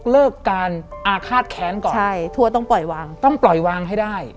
แล้วก็ต้องปล่อยวางให้ได้